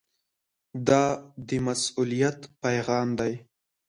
دا د مسؤلیت پیغام دی.